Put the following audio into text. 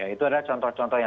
itu adalah contoh contohnya